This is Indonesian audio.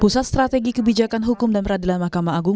pusat strategi kebijakan hukum dan peradilan mahkamah agung